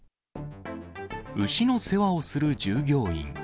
牛の世話をする従業員。